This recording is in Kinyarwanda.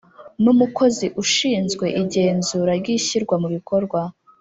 n Umukozi ushinzwe igenzura ry ishyirwa mu bikorwa